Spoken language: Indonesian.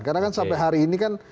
karena kan sampai hari ini kan